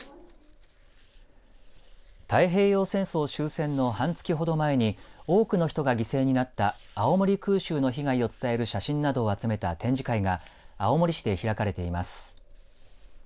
太平洋戦争終戦の半月ほど前に多くの人が犠牲になった青森空襲の被害を伝える写真などを集めた展示会が青森市で開かれています。